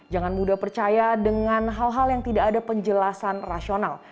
jangan mudah percaya dengan hal hal yang tidak ada penjelasan rasional